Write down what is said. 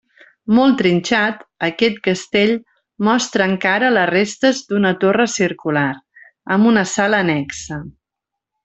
Molt trinxat, aquest castell mostra encara les restes d'una torre circular, amb una sala annexa.